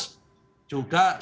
juga sisanya juga untung